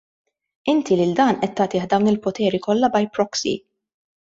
Inti lil dan qed tagħtih dawn il-poteri kollha by proxy.